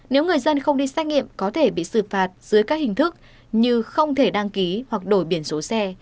nếu người dân không đi xét nghiệm có thể bị xử phạt dưới các hình thức như không thể đăng ký hoặc đổi biển số xe